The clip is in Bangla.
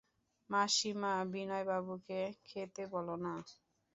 মাসিমা, বিনয়বাবুকে খেতে বলো-না।